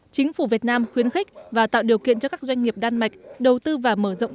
chính phủ việt nam khuyến khích và tạo điều kiện cho các doanh nghiệp đan mạch đầu tư và mở rộng